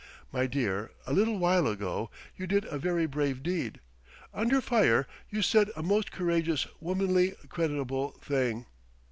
My dear, a little while ago, you did a very brave deed. Under fire you said a most courageous, womanly, creditable thing.